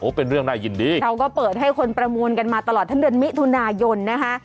เป็นเรื่องน่ายินดีเราก็เปิดให้คนประมูลกันมาตลอดทั้งเดือนมิถุนายนนะคะ